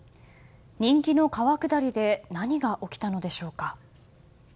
人気の川下りで何が起きたのでしょうか。